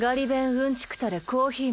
うんちく垂れコーヒー